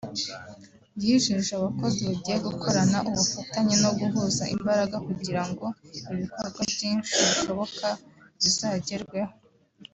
yijeje abakozi bagiye gukorana ubufatanye no guhuza imbaraga kugira ngo ibikorwa byinshi bishoboka bizagerweho